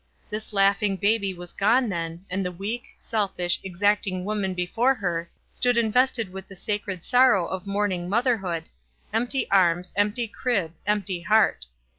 This laughing baby was gone then, and the weak, selfish, exacting woman before her stood invested with the sacred sorrow of mourning motherhood, — empty arms, empty crib, empty heart.